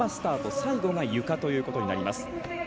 最後がゆかということになります。